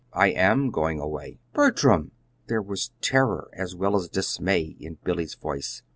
"I am going away." "Bertram!" There was terror as well as dismay in Billy's voice.